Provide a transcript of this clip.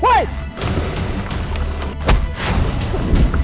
baik sebentar ya bu